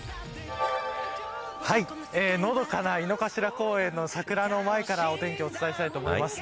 のどかな井の頭公園の桜の前からお天気をお伝えしたいと思います。